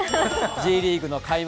Ｊリーグの開幕